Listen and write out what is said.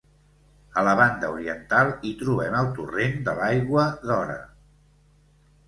A la banda oriental hi trobem el torrent de l'Aigua d'Ora.